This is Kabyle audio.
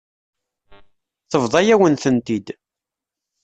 Tebḍa-yawen-tent-id.